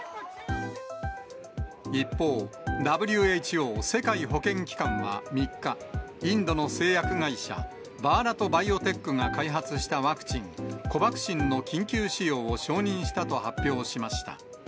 一方、ＷＨＯ・世界保健機関は３日、インドの製薬会社、バーラト・バイオテックが開発したワクチン、コバクシンの緊急使用を承認したと発表しました。